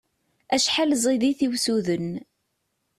Acḥal ẓid-it i usuden!